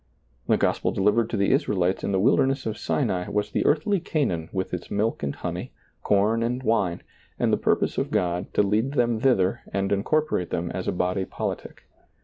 The gospel delivered to the Israelites in the wilderness of Sinai was the earthly Canaan with its milk and honey, corn and wine, and the purpose of God to lead them thither and incorporate them as a body politic.